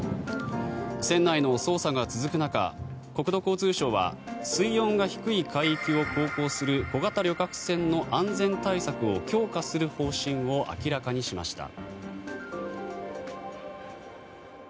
船内の捜査が続く中国土交通省は水温が低い海域を航行する小型旅客船の安全対策を強化する方針を明らかにしました。